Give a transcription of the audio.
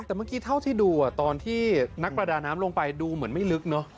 แต่เมื่อกี้เท่าที่ดูตอนที่นักประดาน้ำลงไปดูเหมือนไม่ลึกเนอะ